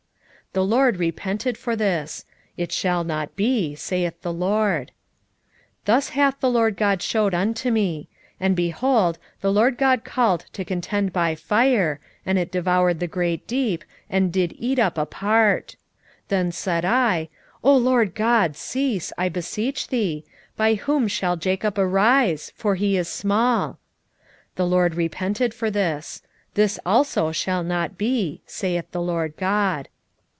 7:3 The LORD repented for this: It shall not be, saith the LORD. 7:4 Thus hath the Lord GOD shewed unto me: and, behold, the Lord GOD called to contend by fire, and it devoured the great deep, and did eat up a part. 7:5 Then said I, O Lord GOD, cease, I beseech thee: by whom shall Jacob arise? for he is small. 7:6 The LORD repented for this: This also shall not be, saith the Lord GOD.